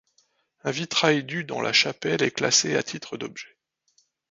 Un vitrail du dans la chapelle est classé à titre d'objet.